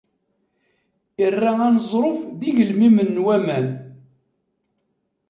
Irra aneẓruf d igelmimen n waman.